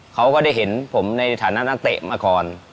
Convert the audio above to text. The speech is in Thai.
เขาก็ได้เห็นผมในฐานะนักเตะมาก่อน